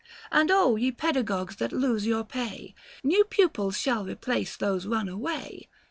And ye pedagogues that lose your pay, New pupils shall replace those run away.